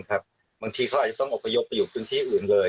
บางทีเขาอาจจะต้องอบพยพไปอยู่พื้นที่อื่นเลย